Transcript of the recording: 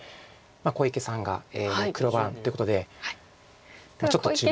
小池さんが黒番ということでちょっと注目です。